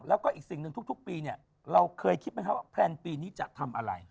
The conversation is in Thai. แล้วก็อีกสิ่งหนึ่งทุกปีเนี่ยเราเคยคิดไหมครับว่าแพลนปีนี้จะทำอะไร